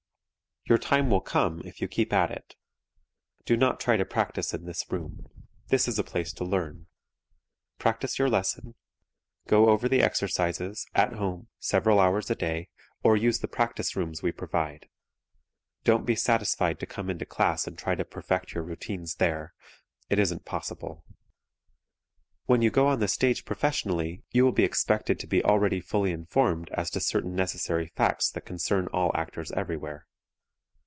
Your time will come if you keep at it. Do not try to practice in this room. This is a place to learn. Practice your lesson, go over the exercises, at home, several hours a day or use the practice rooms we provide. Don't be satisfied to come into class and try to perfect your routines there. It isn't possible. When you go on the stage professionally you will be expected to be already fully informed as to certain necessary facts that concern all actors everywhere.